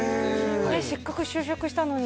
せっかく就職したのに？